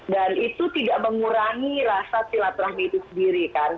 itu tidak mengurangi rasa silaturahmi itu sendiri kan